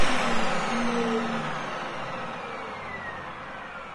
十万大山瓜馥木